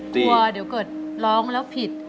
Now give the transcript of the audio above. กลัวเดี๋ยวเกิดร้องแล้วผิด